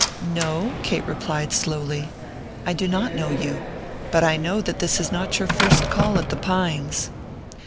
"No," Kate replied, slowly; "I do not know you; but I know that this is not your first call at The Pines."